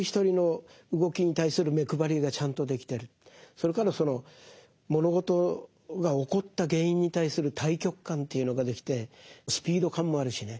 それからその物事が起こった原因に対する大局観というのができてスピード感もあるしね。